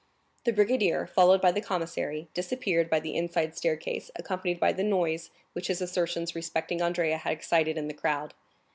The brigadier, followed by the commissary, disappeared by the inside staircase, accompanied by the noise which his assertions respecting Andrea had excited in the crowd.